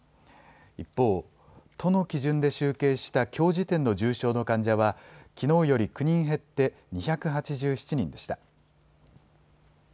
一方、都の基準で集計したきょう時点の重症の患者はきのうより９人減って２８７人でした。